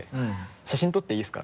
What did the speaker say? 写真撮っていいですか？